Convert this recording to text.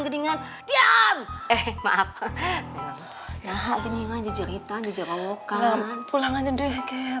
gedingan diam eh maaf jajar hitam jajar awokan pulang aja deh